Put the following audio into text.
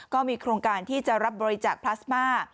ก็มีโครงการที่จะรับบริจาคพลาสมา